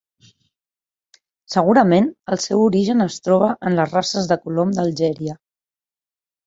Segurament el seu origen es troba en les races de colom d'Algèria.